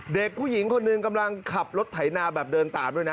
เด็กผู้หญิงคนหนึ่งกำลังขับรถไถนาแบบเดินตามด้วยนะ